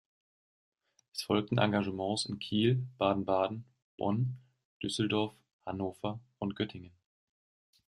Es folgten Engagements in Kiel, Baden-Baden, Bonn, Düsseldorf, Hannover und Göttingen.